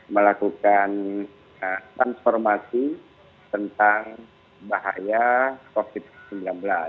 melakukan transformasi tentang bahaya covid sembilan belas